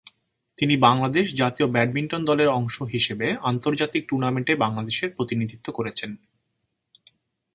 তিনি বাংলাদেশ জাতীয় ব্যাডমিন্টন দলের অংশ হিসেবে আন্তর্জাতিক টুর্নামেন্টে বাংলাদেশের প্রতিনিধিত্ব করেছেন।